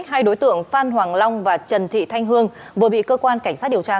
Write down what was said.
hai đối tượng phan hoàng long và trần thị thanh hương vừa bị cơ quan cảnh sát điều tra